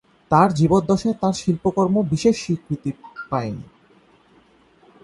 তার জীবদ্দশায় তার শিল্পকর্ম বিশেষ স্বীকৃতি পায়নি।